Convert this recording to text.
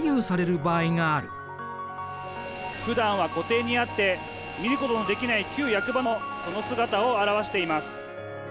「ふだんは湖底にあって見ることのできない旧役場もその姿を現しています」。